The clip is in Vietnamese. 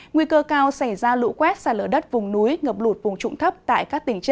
nguy cơ cao xảy ra lũ quét xa lở đất vùng núi